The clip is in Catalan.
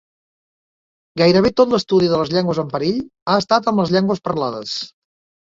Gairebé tot l'estudi de les llengües en perill ha estat amb les llengües parlades.